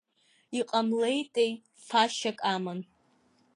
Иҟамлеитеи фашьак аман.